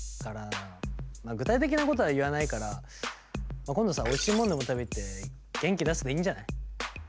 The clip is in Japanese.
まあ具体的なことは言わないから今度さおいしいもんでも食べ行って元気出せばいいんじゃない？